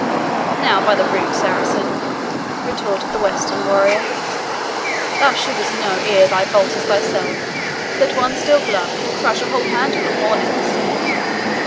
"Now, by the rood, Saracen," retorted the Western warrior, "thou shouldst know, ere thou vauntest thyself, that one steel glove can crush a whole handful of hornets."